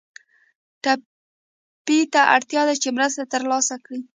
ټپي ته اړتیا ده چې مرسته تر لاسه کړي.